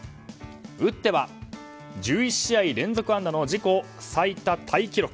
打っては１１試合連続安打の自己最多タイ記録。